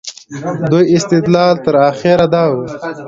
دوی استدلال تر اخره دا و.